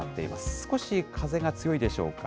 少し風が強いでしょうか。